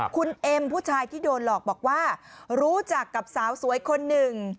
คุณเอ็มผู้ชายที่โดนหลอกบอกว่ารู้จักกับสาวสวยคนหนึ่ง